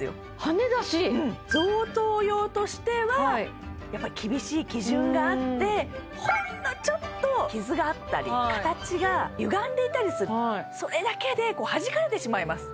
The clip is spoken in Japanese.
贈答用としてはやっぱり厳しい基準があってほんのちょっと傷があったり形がゆがんでいたりするそれだけではじかれてしまいます